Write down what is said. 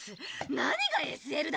何がＳＬだ！